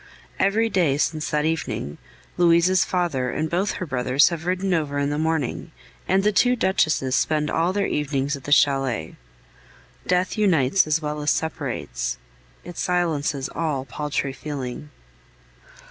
Every day since that evening, Louise's father and both her brothers have ridden over in the morning, and the two duchesses spend all their evenings at the chalet. Death unites as well as separates; it silences all paltry feeling.